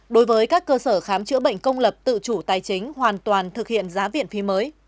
đối với các cơ sở khám chữa bệnh công lập tự chủ tài chính hoàn toàn thực hiện giá viện phí mới